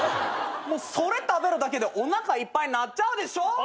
それ食べるだけでおなかいっぱいになっちゃうでしょ。